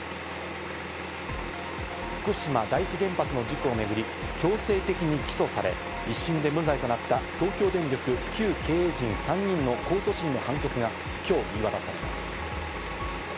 福島第一原発の事故をめぐり、強制的に起訴され、１審で無罪となった東京電力旧経営陣３人の控訴審の判決が今日言い渡されます。